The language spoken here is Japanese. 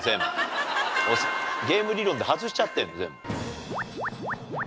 ゲーム理論で外しちゃってんの全部。